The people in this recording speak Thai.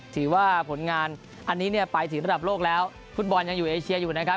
ถือว่าผลงานอันนี้เนี่ยไปถึงระดับโลกแล้วฟุตบอลยังอยู่เอเชียอยู่นะครับ